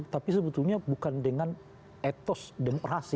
tapi sebetulnya bukan dengan etos demokrasi